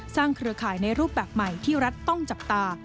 เครือข่ายในรูปแบบใหม่ที่รัฐต้องจับตา